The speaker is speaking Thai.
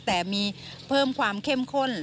แต่มีเพิ่มความเข้มข้น